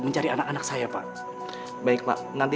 gak ada stok apa lagi